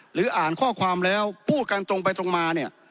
อ่านข้อความแล้วพูดกันตรงไปตรงมาเนี่ย